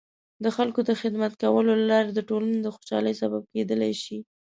د خلکو د خدمت کولو له لارې د ټولنې د خوشحالۍ سبب کیدلای شي.